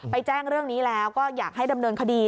แจ้งเรื่องนี้แล้วก็อยากให้ดำเนินคดี